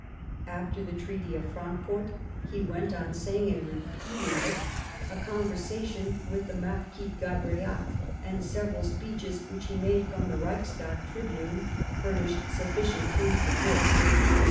After the Treaty of Frankfort he went on saying and repeating it ; a conversation with the Marquis Gabriac and several speeches which he made from the Reichstag tribune furnish sufficient proofs of this.